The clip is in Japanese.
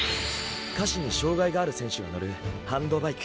下肢に障害がある選手が乗るハンドバイク。